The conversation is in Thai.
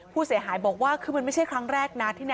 ผู้เสียหายบอกว่าคือมันไม่ใช่ครั้งแรกนะ